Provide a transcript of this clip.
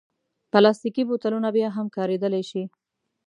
پلاستيکي بوتلونه بیا هم کارېدلی شي.